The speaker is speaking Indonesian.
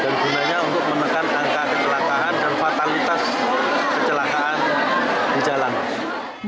dan gunanya untuk menekan angka kecelakaan dan fatalitas kecelakaan di jalan